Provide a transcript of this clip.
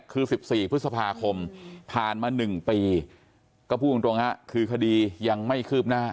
คือ๑๔พฤษภาคมผ่านมา๑ปีก็พูดตรงฮะคือคดียังไม่คืบหน้า